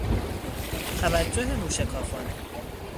توجه موشکافانه